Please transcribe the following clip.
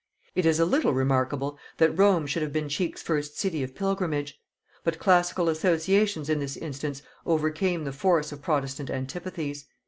It is a little remarkable that Rome should have been Cheke's first city of pilgrimage; but classical associations in this instance overcame the force of protestant antipathies.